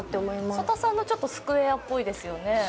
曽田さんのはスクエアっぽいですよね。